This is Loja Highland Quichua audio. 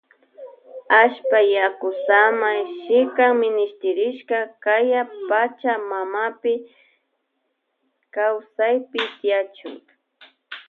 Allpa yaku samay shikan minishtirishka kaya pacha mamapi kawsay tiyachun.